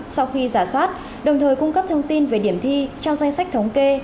sau khi giả soát đồng thời cung cấp thông tin về điểm thi trong danh sách thống kê